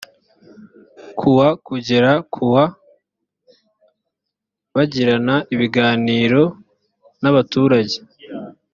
ku wa kugera ku wa bagirana ibiganiro n abaturage